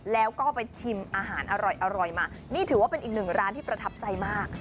แล้วก็ไปชิมอาหารอร่อยมานี่ถือว่าเป็นอีกหนึ่งร้านที่ประทับใจมาก